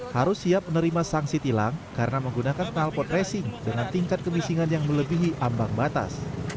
harus siap menerima sanksi tilang karena menggunakan kenalpot racing dengan tingkat kemisingan yang melebihi ambang batas